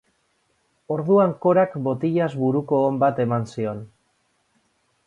Orduan Corak botilaz buruko on bat eman zion.